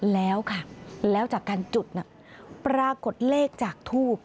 แล้วค่ะแล้วจากการจุดน่ะปรากฏเลขจากทูบ